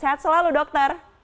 sehat selalu dokter